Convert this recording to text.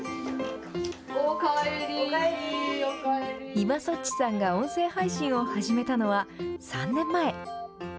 今そっちさんが音声配信を始めたのは、３年前。